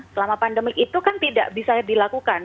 selama pandemi itu kan tidak bisa dilakukan